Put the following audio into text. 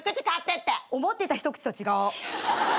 思ってたひと口とは違う。